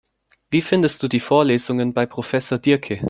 Wie findest du die Vorlesungen bei Professor Diercke?